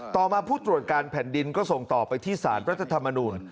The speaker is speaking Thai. ต่อมาผู้ตรวจการแผ่นดินก็ส่งต่อไปที่สารรัฐธรรมนูล